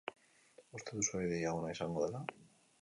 Uste duzue ideia ona izango dela?